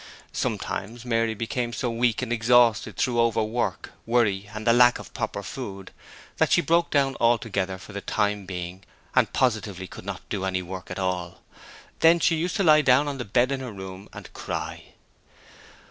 Sometimes Mary became so weak and exhausted through overwork, worry, and lack of proper food that she broke down altogether for the time being, and positively could not do any work at all. Then she used to lie down on the bed in her room and cry.